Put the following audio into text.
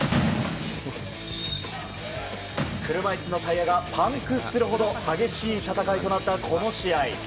車いすのタイヤがパンクするほど激しい戦いとなった、この試合。